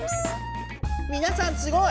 みなさんすごい！